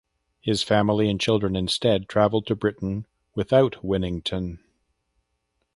His family and children instead travelled to Britain without Winnington.